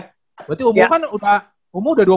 berarti umur kan umur udah dua puluh satu tuh